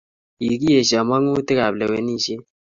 kikiyesho mangutik ab lewenishet